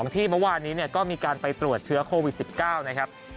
ที่เมื่อวานนี้ก็มีการไปตรวจเชื้อโควิด๑๙นะครับ